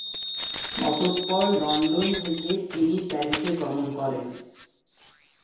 অতঃপর লন্ডন থেকে তিনি প্যারিসে গমন করেন।